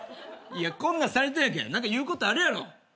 こんなんされとんやけん何か言うことあるやろ。